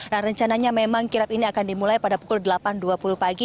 nah rencananya memang kirap ini akan dimulai pada pukul delapan dua puluh pagi